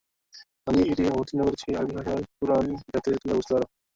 আমি এটি অবতীর্ণ করেছি আরবী ভাষায় কুরআন যাতে তোমরা বুঝতে পার।